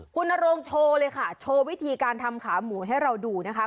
คุณนโรงโชว์เลยค่ะโชว์วิธีการทำขาหมูให้เราดูนะคะ